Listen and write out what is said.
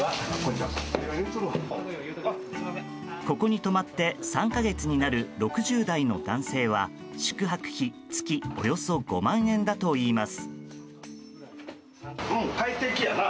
ここに泊まって３か月になる６０代の男性は宿泊費月およそ５万円だといいます。